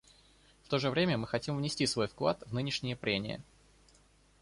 В то же время мы хотим внести свой вклад в нынешние прения.